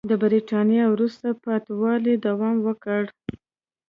د برېټانیا وروسته پاتې والي دوام وکړ.